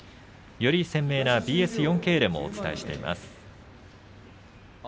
より鮮明なＢＳ４Ｋでも同時放送をお伝えしています。